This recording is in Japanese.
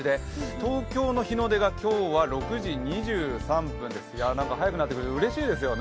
東京の日の出が今日は６時２３分ですが、何か早くなってくるとうれしいですよね。